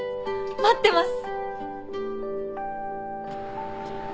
待ってます！